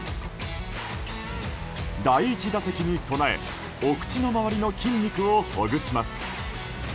第１打席に備えお口の周りの筋肉をほぐします。